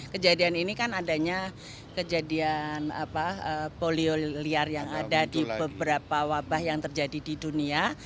kejadian ini kan adanya kejadian polio liar yang ada di beberapa wabah yang terjadi di dunia